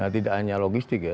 tidak hanya logistik ya